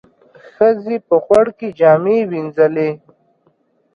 ښځو په خوړ کې جامې وينځلې.